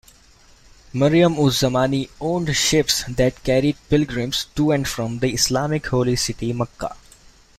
Mariam-uz-Zamani owned ships that carried pilgrims to and from the Islamic holy city Mecca.